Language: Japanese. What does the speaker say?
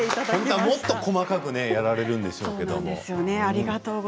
本当はもっと細かくやられるんでしょうけれど。